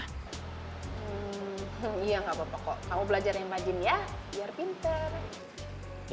hmm iya gak apa apa kok kamu belajar yang rajin ya biar pinter